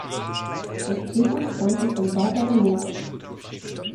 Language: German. Das Drehbuch stammte von Barbara Noack.